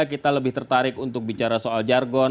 kita lebih tertarik untuk bicara soal jargon